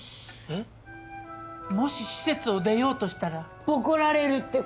えっもし施設を出ようとしたら？ボコられるって事っすよ！